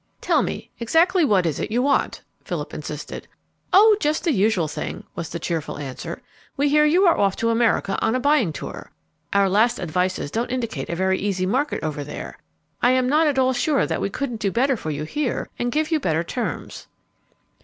"Tell me exactly what it is you want?" Philip insisted. "Oh! just the usual thing," was the cheerful answer. "We hear you are off to America on a buying tour. Our last advices don't indicate a very easy market over there. I am not at all sure that we couldn't do better for you here, and give you better terms."